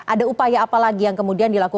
ada upaya apa lagi yang kemudian dilakukan